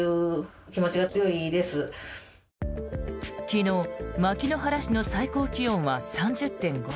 昨日、牧之原市の最高気温は３０．５度。